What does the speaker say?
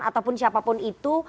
ataupun siapapun itu